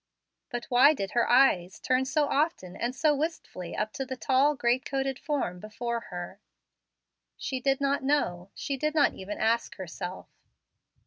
But why did her eyes tarn so often and so wistfully up to the tall great coated form before her? She did not know. She did not even ask herself.